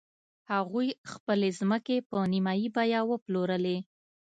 هغوی خپلې ځمکې په نیمايي بیه وپلورلې.